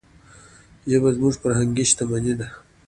ژبه زموږ فرهنګي شتمني ده.